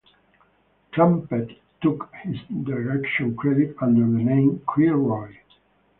Clampett took his direction credit under the name "Kilroy".